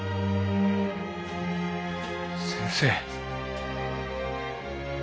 先生。